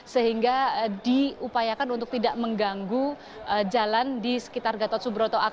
sehingga diupayakan untuk tidak mengganggu jalan di sekitar gatot subroto